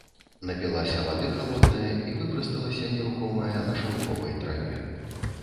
Напілася вады халоднае і выпрасталася, нерухомая, на шаўковай траве.